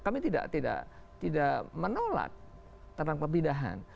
kami tidak menolak tentang pemindahan